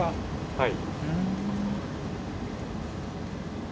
はい。